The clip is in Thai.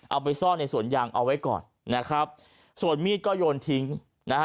เอาไปซ่อนในสวนยางเอาไว้ก่อนนะครับส่วนมีดก็โยนทิ้งนะฮะ